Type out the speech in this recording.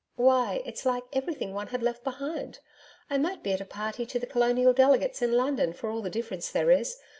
'Why! it's like everything one had left behind! I might be at a party to the Colonial Delegates in London for all the difference there is.